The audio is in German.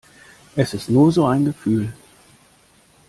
Es ist nur so ein Gefühl.